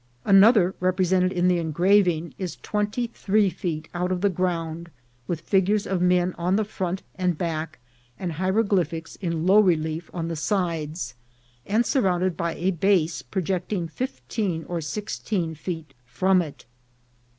Another, represented in the engraving, is twenty three feet out of the ground, with figures of men on the front and back, and hieroglyphics in low relief on the sides, and surrounded by a base projecting fifteen or six teen feet from it.